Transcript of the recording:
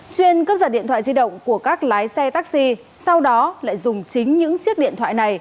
chuyên cướp giật điện thoại di động của các lái xe taxi sau đó lại dùng chính những chiếc điện thoại này